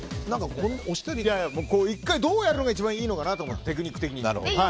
１回どうやるのが一番いいのかなと思って、テクニック的に。